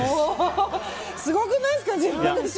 すごくないですか？